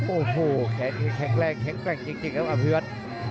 โอ้โหแข็งแรงแข็งแกร่งจริงครับอภิวัต